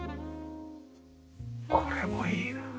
これもいいなあ。